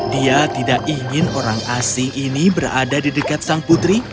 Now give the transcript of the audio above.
dia tidak ingin orang asing ini berada di dekat sang putri